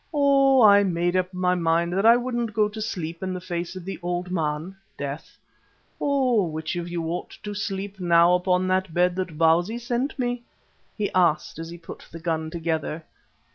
Oh! I made up my mind that I wouldn't go to sleep in the face of the Old Man (death). Oh! which of you ought to sleep now upon that bed that Bausi sent me?" he asked as he put the gun together.